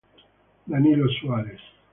Danilo Soares